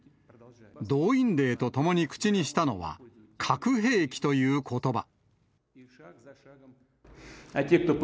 動員令とともに口にしたのは、核兵器ということば。